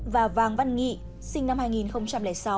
và vàng văn nghị sinh năm hai nghìn sáu